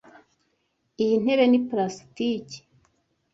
Iyi ntebe ni plastiki.